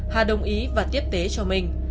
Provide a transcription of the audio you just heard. hà đồng ý và tiếp tế cho mình